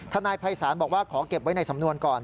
นายภัยศาลบอกว่าขอเก็บไว้ในสำนวนก่อน